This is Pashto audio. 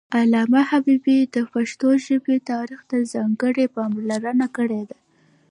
علامه حبيبي د پښتو ژبې تاریخ ته ځانګړې پاملرنه کړې ده